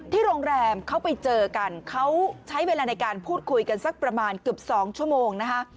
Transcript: โรงแรมเขาไปเจอกันเขาใช้เวลาในการพูดคุยกันสักประมาณเกือบ๒ชั่วโมงนะคะ